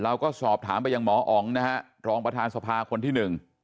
เราก็สอบถามไปยังหมออ๋องนะฮะรองประธานสภาคนที่หนึ่ง